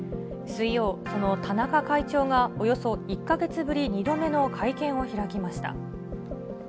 水曜、その田中会長が、およそ１か月ぶり２度目の会見を開きました。